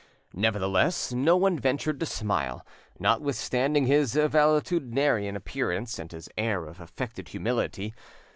Nevertheless, no one ventured to smile, notwithstanding his valetudinarian appearance and his air of affected humility.